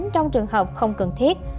trong trường hợp không cần thiết